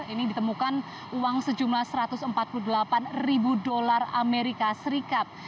ini ditemukan uang sejumlah satu ratus empat puluh delapan ribu dolar amerika serikat